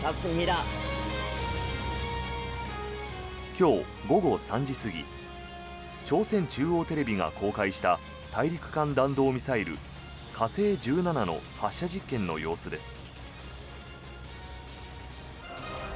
今日午後３時過ぎ朝鮮中央テレビが公開した大陸間弾道ミサイル火星１７の発射実験の様子です。